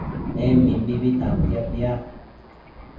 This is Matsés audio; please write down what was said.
En mimbi tantia piac